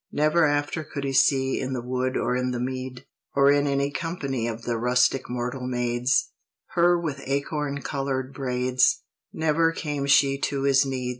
Never after could he see In the wood or in the mead, Or in any company Of the rustic mortal maids, Her with acorn colored braids; Never came she to his need.